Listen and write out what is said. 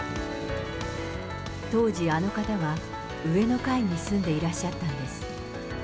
当時、あの方は上の階に住んでいらっしゃったんです。